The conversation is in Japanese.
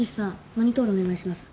マニトールお願いします。